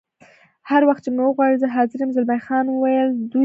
هر وخت چې مې وغواړې زه حاضر یم، زلمی خان وویل: دوی روان شول.